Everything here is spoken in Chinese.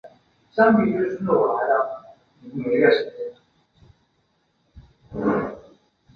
他把自己研究数据模型称之为角色数据模型。